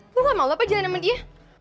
lo gak mau apa jalanin sama dia